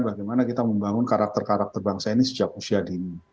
bagaimana kita membangun karakter karakter bangsa ini sejak usia dini